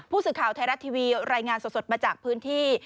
ผู้สื่อข่าวไทยรัฐทีวีรายงานสดมาจากพื้นที่